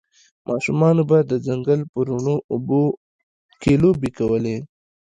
ماشومانو به د ځنګل په روڼو اوبو کې لوبې کولې